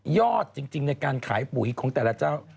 จริงในการขายปุ๋ยของแต่ละเจ้า